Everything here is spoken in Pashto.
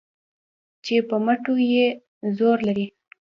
چې په مټو کې زور لري